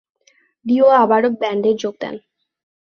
Deo আবারো ব্যান্ডে যোগ দেন।